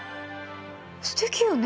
すてきよね。